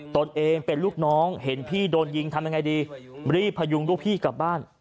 ตนเองเป็นลูกน้องเห็นพี่โดนยิงทำยังไงดีรีบพยุงลูกพี่กลับบ้าน